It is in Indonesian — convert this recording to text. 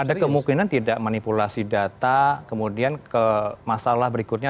ada kemungkinan tidak manipulasi data kemudian ke masalah berikutnya